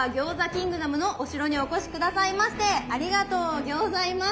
キングダムのお城にお越し下さいましてありがとうギョーザいます。